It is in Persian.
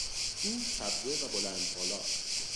او سبزه و بلند بالاست.